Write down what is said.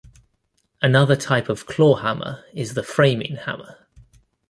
Another type of claw hammer is the framing hammer.